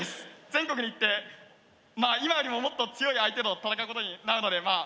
全国に行って今よりももっと強い相手と戦うことになるのでまあ